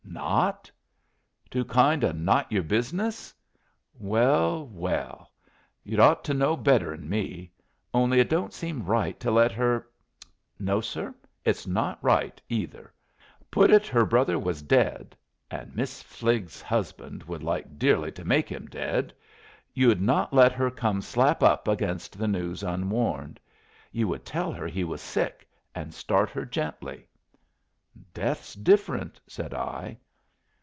"Not? Too kind o' not your business? Well, well! You'd ought to know better 'n me. Only it don't seem right to let her no, sir; it's not right, either. Put it her brother was dead (and Miss. Fligg's husband would like dearly to make him dead), you'd not let her come slap up against the news unwarned. You would tell her he was sick, and start her gently." "Death's different," said I.